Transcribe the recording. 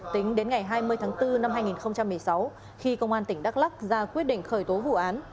tính đến ngày hai mươi tháng bốn năm hai nghìn một mươi sáu khi công an tỉnh đắk lắc ra quyết định khởi tố vụ án